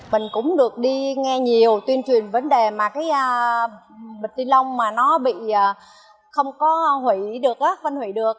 mình cũng được đi nghe nhiều tuyên truyền vấn đề mà cái bịch ni lông mà nó bị không có hủy được phân hủy được